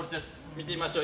見てみましょう。